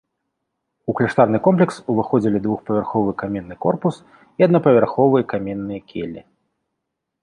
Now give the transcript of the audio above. У кляштарны комплекс уваходзілі двухпавярховы каменны корпус і аднапавярховыя каменныя келлі.